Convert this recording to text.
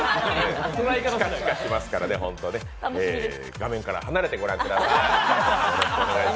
チカチカしますからね、画面から離れてご覧ください。